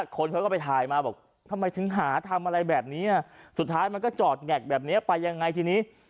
คนเขาก็ไปถ่ายมาบอกทำไมถึงหาทำอะไรแบบนี้สุดท้ายมันก็จอดแงกแบบนี้ไปยังไงทีนี้